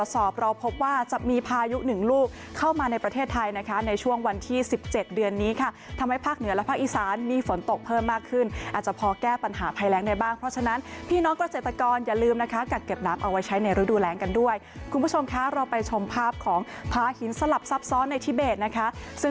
สอบเราพบว่าจะมีพายุหนึ่งลูกเข้ามาในประเทศไทยนะคะในช่วงวันที่๑๗เดือนนี้ค่ะทำให้ภาคเหนือและภาคอีสานมีฝนตกเพิ่มมากขึ้นอาจจะพอแก้ปัญหาภัยแรงได้บ้างเพราะฉะนั้นพี่น้องเกษตรกรอย่าลืมนะคะกัดเก็บน้ำเอาไว้ใช้ในฤดูแรงกันด้วยคุณผู้ชมคะเราไปชมภาพของพาหินสลับซับซ้อนในทิเบสนะคะ